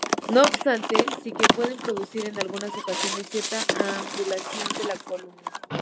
No obstante, sí que pueden producir en algunas ocasiones cierta angulación de la columna.